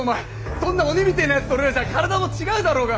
そんな鬼みてえなやつと俺らじゃあ体も違うだろうが。